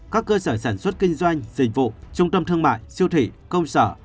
các cơ sở sản xuất kinh doanh dịch vụ trung tâm thương mại siêu thị công sở